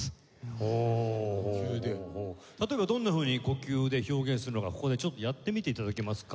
例えばどんなふうに呼吸で表現するのかここでちょっとやってみて頂けますか？